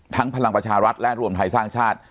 พลังประชารัฐและรวมไทยสร้างชาติ